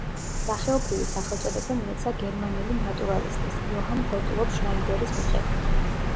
სახეობრივი სახელწოდება მიეცა გერმანელი ნატურალისტის იოჰან გოტლობ შნაიდერის მიხედვით.